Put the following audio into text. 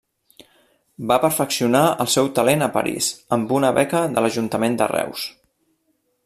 Va perfeccionar el seu talent a París amb una beca de l'Ajuntament de Reus.